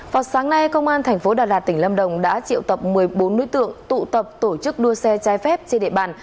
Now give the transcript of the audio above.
vào sáng nay công an tp đà lạt tỉnh lâm đồng đã triệu tập một mươi bốn đối tượng tụ tập tổ chức đua xe trái phép trên địa bàn